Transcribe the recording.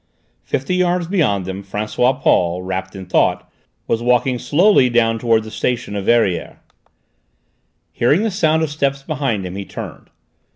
Fifty yards beyond them, François Paul, wrapped in thought, was walking slowly down towards the station of Verrières. Hearing the sound of steps behind him, he turned.